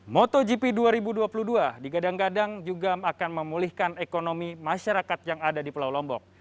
motogp dua ribu dua puluh dua digadang gadang juga akan memulihkan ekonomi masyarakat yang ada di pulau lombok